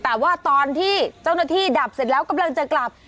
แต่ว่าตอนที่เจ้าหน้าที่ดับเสร็จแล้วกำลังจะกลับ